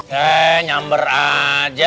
hei nyamber aja